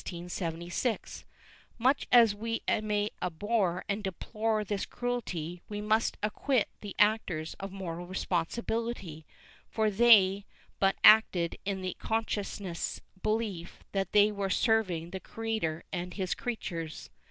^ Much as we may abhor and deplore this cruelty, we must acquit the actors of moral responsibility, for they but acted in the conscientious belief that they were serving the Creator and his creatures.